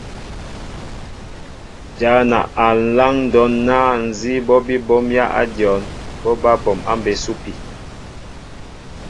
Njana a nláaŋ ndɔn na nzi ɓɔɓi ɓomya a dyɔnn, ɓɔ ɓaa ɓom a mbé supi.